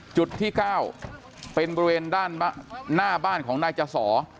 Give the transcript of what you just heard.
จุดที่๙เป็นบริเวณด้านหน้าบ้านของนายจสอ